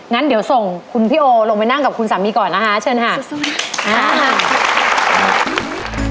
งั้นเดี๋ยวส่งคุณพี่โอลงไปนั่งกับคุณสามีก่อนนะฮะเชิญฮะสู้นะฮะอ่ะอ้าว